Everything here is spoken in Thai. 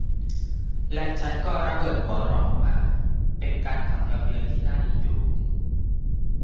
และฉันก็ระเบิดหัวเราะออกมา เป็นการขำเยาะเย้ยที่น่าเอ็นดู